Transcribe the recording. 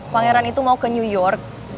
pangeran itu mau ke new york